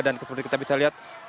dan seperti kita bisa lihat